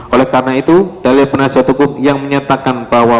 oleh karena itu dalil penasihat hukum yang menyatakan bahwa